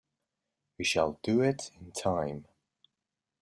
We shall do it in time.